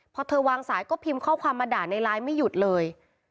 พอเธอวางสายก็พิมพ์ข้อความมาด่าในไลน์ไม่หยุดเลย